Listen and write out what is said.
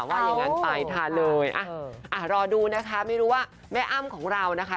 ว่าอย่างนั้นไปทานเลยอ่ะรอดูนะคะไม่รู้ว่าแม่อ้ำของเรานะคะ